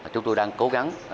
chúng tôi đang cố gắng